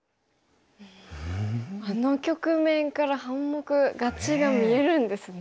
あの局面から半目勝ちが見えるんですね。